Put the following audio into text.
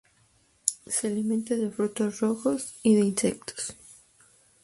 Se alimenta de frutos rojos y de insectos.